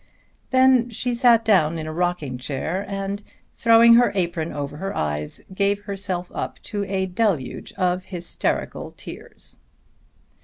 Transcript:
Then she sat down in a rocking chair and throwing her apron over her eyes gave herself up to a deluge of hysterical tears.